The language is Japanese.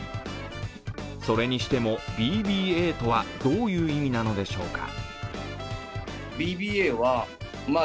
それにしてもＢＢＡとはどういう意味なのでしょうか。